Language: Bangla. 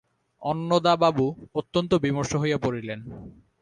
অন্নদাবাবু অত্যন্ত বিমর্ষ হইয়া পড়িলেন।